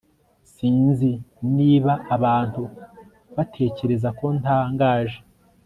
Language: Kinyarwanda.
sinzi niba abantu batekereza ko ntangaje